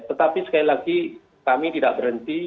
tetapi sekali lagi kami tidak berhenti